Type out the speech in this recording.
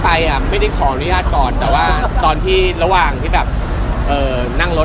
ปกติคือกับเกิร์ลเค้าชื่อเกิร์ล